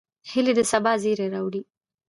هیلۍ د سبا زیری راوړي